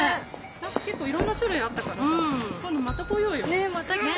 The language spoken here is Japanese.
結構いろんな種類あったからさ今度また来ようよ。